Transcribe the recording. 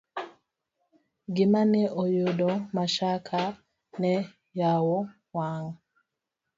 Gima ne oyudo Mashaka, ne oyawo wang'a.